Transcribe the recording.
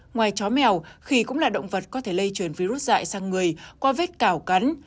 ngoài chó mèo khỉ cũng là động vật có thể lây truyền virus dạy sang người qua vết cào cắn